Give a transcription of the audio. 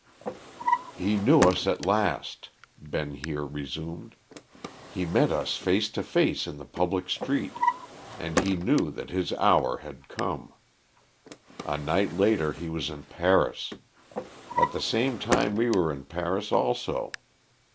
"He knew us at last," Ben Heer resumed. "He met us face to face in the public street, and he knew that his hour had come. A night later he was in Paris. At the same time we were in Paris also.